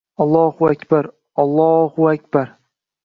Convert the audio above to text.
— Ollo-hu… ak-bar-r-r!… Ollohu… u… ak-bar-r.